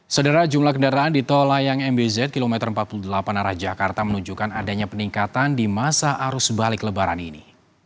sedera jumlah kendaraan di tol layang mbz kilometer empat puluh delapan arah jakarta menunjukkan adanya peningkatan di masa arus balik lebaran ini